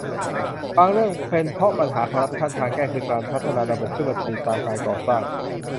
บางเรื่องเป็นเพราะปัญหาคอร์รัปชั่น ทางแก้คือการพัฒนาระบบขึ้นมาติดตามการก่อสร้าง